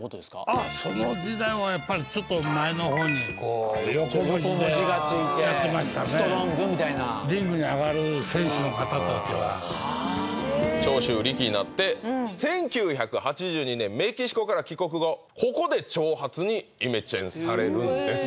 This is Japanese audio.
あっその時代はやっぱりちょっと前のほうに横文字が横文字が付いて「ストロング」みたいなリングに上がる選手の方たちは長州力になって１９８２年メキシコから帰国後ここで長髪にイメチェンされるんです